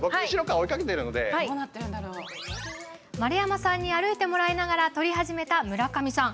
丸山さんに歩いてもらいながら撮り始めた村上さん。